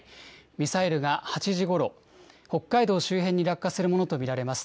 ミサイルが８時ごろ、北海道周辺に落下するものと見られます。